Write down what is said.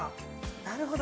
なるほど。